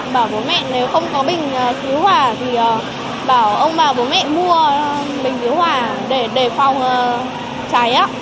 bảo bố mẹ nếu không có bình cứu hỏa thì bảo ông bà bố mẹ mua bình cứu hỏa để đề phòng cháy